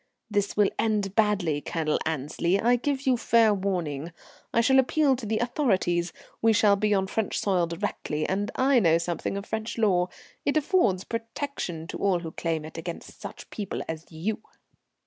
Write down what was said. "This will end badly, Colonel Annesley. I give you fair warning. I shall appeal to the authorities. We shall be on French soil directly, and I know something of French law. It affords protection to all who claim it against such people as you."